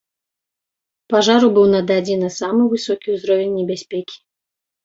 Пажару быў нададзены самы высокі ўзровень небяспекі.